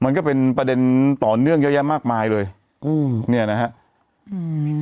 มันก็เป็นประเด็นต่อเนื่องเยอะแยะมากมายเลยอืมเนี้ยนะฮะอืม